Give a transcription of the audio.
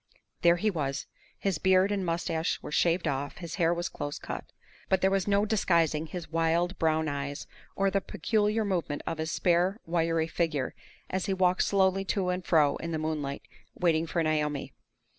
There he was! His beard and mustache were shaved off; his hair was close cut. But there was no disguising his wild, brown eyes, or the peculiar movement of his spare, wiry figure, as he walked slowly to and fro in the moonlight waiting for Naomi.